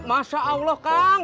masya allah kang